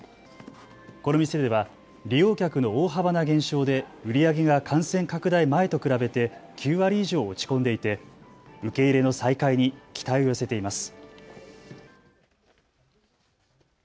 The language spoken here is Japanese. この店では利用客の大幅な減少で売り上げが感染拡大前と比べて９割以上、落ち込んでいて受け入れの再開に期待を寄せています。